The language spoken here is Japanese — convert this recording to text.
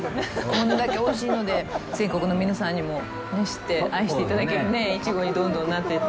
こんだけおいしいので全国の皆さんにも知って愛していただけるイチゴにどんどんなっていって。